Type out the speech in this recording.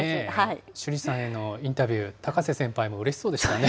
趣里さんへのインタビュー、高瀬先輩もうれしそうでしたね。